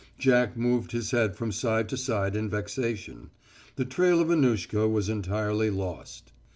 Jack moved his head from side to side in vexation. The trail of Annushka was entirely lost.